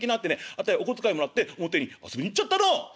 あたいお小遣いもらって表に遊びに行っちゃったの」。